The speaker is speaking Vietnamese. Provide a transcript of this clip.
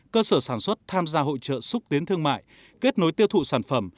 cơ sở sản xuất tham gia hội trợ xúc tiến thương mại kết nối tiêu thụ sản phẩm